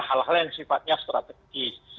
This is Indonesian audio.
hal hal yang sifatnya strategis